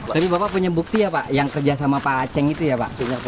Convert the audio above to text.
tapi bapak punya bukti ya pak yang kerja sama pak aceh itu ya pak